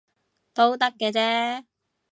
都得嘅啫